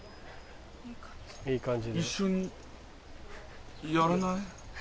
一緒にやらない？